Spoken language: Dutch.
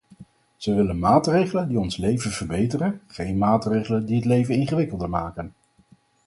Ze willen maatregelen die ons leven verbeteren, geen maatregelen die het leven ingewikkelder maken.